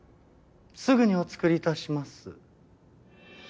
すぐにお作り致します。